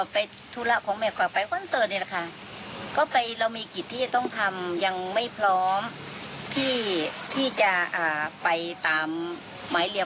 พร้อมไปแบบนี้